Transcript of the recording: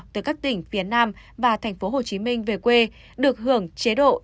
từ các tỉnh phía nam và thành phố hồ chí minh về quê